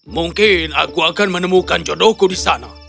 mungkin aku akan menemukan jodohku di sana